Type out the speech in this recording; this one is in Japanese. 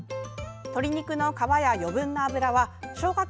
鶏肉の皮や余分な脂は消化